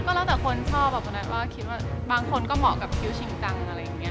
ก็แล้วแต่คนชอบบางคนก็เหมาะกับคิ้วชิงกังอะไรอย่างนี้